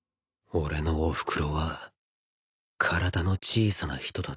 俺のおふくろは体の小さな人だった